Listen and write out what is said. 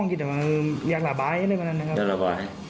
คิดว่าอยากระบายนะครับ